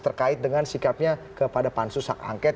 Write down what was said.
terkait dengan sikapnya kepada pansus hak angket